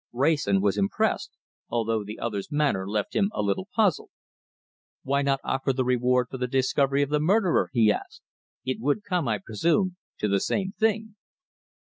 Wrayson was impressed, although the other's manner left him a little puzzled. "Why not offer the reward for the discovery of the murderer?" he asked. "It would come, I presume, to the same thing."